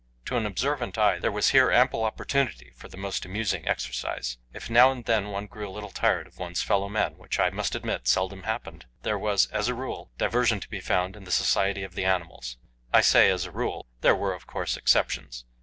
To an observant eye there was here ample opportunity for the most amusing exercise. If now and then one grew a little tired of one's fellow men which, I must admit, seldom happened there was, as a rule, diversion to be found in the society of the animals. I say, as a rule; there were, of course, exceptions.